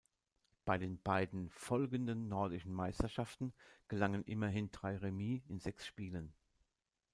Bei den beiden folgenden nordischen Meisterschaften gelangen immerhin drei Remis in sechs Spielen.